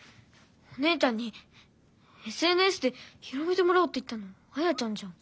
お姉ちゃんにＳＮＳで広めてもらおうって言ったのあやちゃんじゃん。